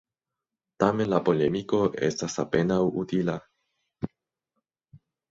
Tamen, la polemiko estas apenaŭ utila.